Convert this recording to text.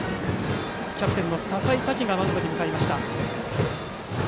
キャプテンの笹井多輝がマウンドに向かいました。